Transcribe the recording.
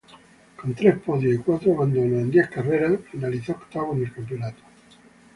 Con tres podios y cuatro abandonos en diez carreras, finalizó octavo en el campeonato.